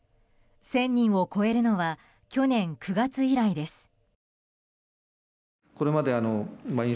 １０００人を超えるのは去年９月以来です。